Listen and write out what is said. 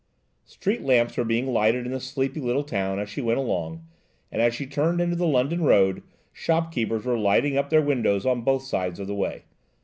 Street lamps were being lighted in the sleepy little town as she went along, and as she turned into the London Road, shopkeepers were lighting up their windows on both sides of the way.